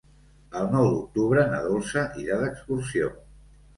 El nou d'octubre na Dolça irà d'excursió.